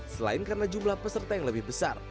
selain karena jumlah peserta yang lebih besar